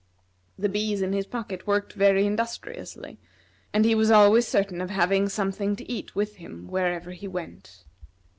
The bees in his pocket worked very industriously, and he was always certain of having something to eat with him wherever he went.